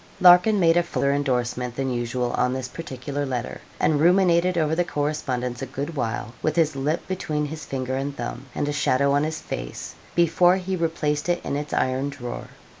Larkin made a fuller endorsement than usual on this particular letter, and ruminated over the correspondence a good while, with his lip between his finger and thumb, and a shadow on his face, before he replaced it in its iron drawer.